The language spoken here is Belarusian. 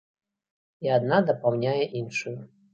І адна дапаўняе іншую.